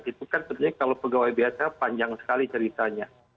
itu kan sebenarnya kalau pegawai biasa panjang sekali ceritanya